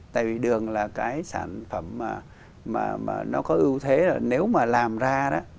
tại vì đường là cái sản phẩm mà nó có ưu thế là nếu mà làm ra đó